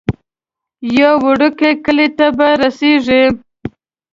یو وړوکی کلی ته به رسیږئ.